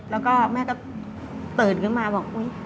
แล้วก็แม่ก็เติดขึ้นมาบอก